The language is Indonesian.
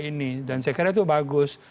ini dan saya kira itu bagus